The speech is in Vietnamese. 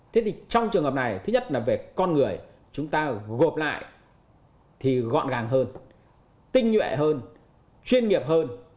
thế thì trong trường hợp này thứ nhất là về con người chúng ta gộp lại thì gọn gàng hơn tinh nhuệ hơn chuyên nghiệp hơn